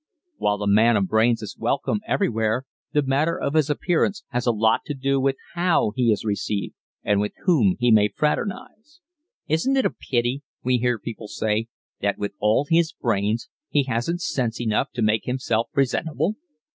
While a man of brains is welcome everywhere the matter of his appearance has a lot to do with how he is received and with whom he may fraternize. "Isn't it a pity," we hear people say, "that, with all his brains, he hasn't sense enough to make himself presentable?"